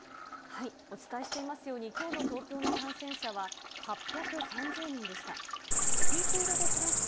お伝えしていますように、きょうの東京の感染者は８３０人でした。